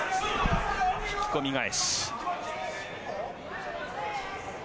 引き込み返し。